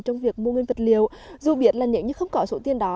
trong việc mua nguyên vật liệu dù biết là nếu như không có số tiền đó